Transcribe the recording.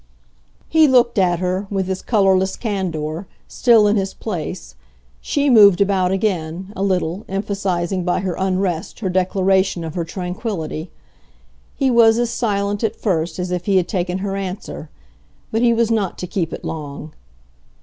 He looked at her, with his colourless candour, still in his place; she moved about again, a little, emphasising by her unrest her declaration of her tranquillity. He was as silent, at first, as if he had taken her answer, but he was not to keep it long.